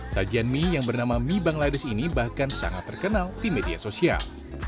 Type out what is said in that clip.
sajian mie yang bernama mie bangladesh ini bahkan sangat terkenal di media sosial